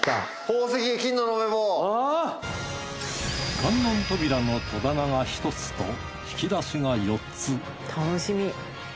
観音扉の戸棚が１つと引き出しが４つ楽しみ。